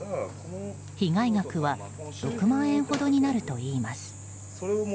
被害額は６万円ほどになるといいます。